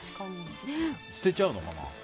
捨てちゃうのかな。